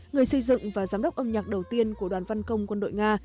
người xây dựng và giám đốc âm nhạc đầu tiên của đoàn văn công quân đội nga